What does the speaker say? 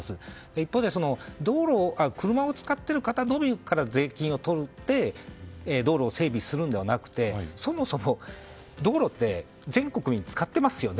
一方で車を使っている方のみから税金を取って道路を整備するのではなくてそもそも道路って全国民使ってますよね。